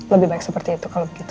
lebih baik seperti itu kalau begitu